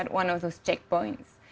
di salah satu otoritas